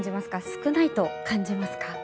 少ないと感じますか？